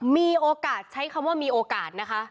มีโอกาสใช้คำว่ามีโอกาสนะคะ